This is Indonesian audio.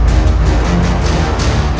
aku ayah andam